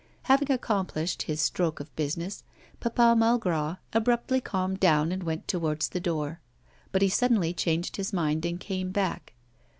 Having accomplished his stroke of business, Papa Malgras abruptly calmed down and went towards the door. But he suddenly changed his mind and came back.